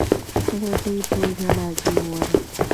غوټۍ په ژړا کې وويل.